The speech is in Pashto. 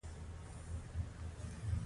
په جنایي جرم باید تورن نه وي.